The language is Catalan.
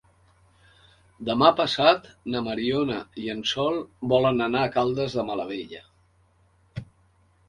Demà passat na Mariona i en Sol volen anar a Caldes de Malavella.